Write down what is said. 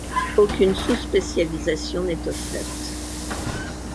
Aucune sous-spécialisation n'est offerte.